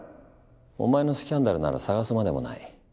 お前のスキャンダルなら探すまでもない。